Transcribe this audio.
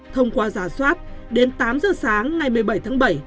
thông qua giả soát đến tám giờ sáng ngày một mươi bảy tháng bảy